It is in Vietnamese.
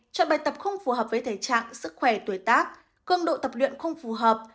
chọn bài tập không phù hợp với thể trạng sức khỏe tuổi tác cương độ tập luyện không phù hợp